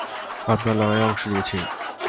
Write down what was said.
আমরা লড়াইয়ে অংশ নিয়েছি।